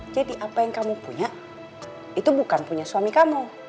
apa yang kamu punya itu bukan punya suami kamu